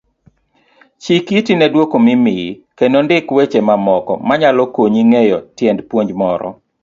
Chikiti nedwoko mimiyi kendo ndik weche mamoko manyalo konyi ng'eyo tiend puonj moro.